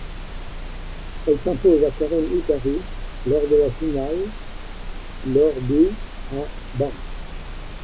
Elle s'impose à Karin Huttary lors de la finale lors du ' à Banff.